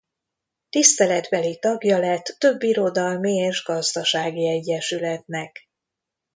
Tiszteletbeli tagja lett több irodalmi és gazdasági egyesületnek.